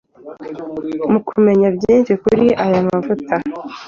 Mu kumenya byinshi kuri aya mavuta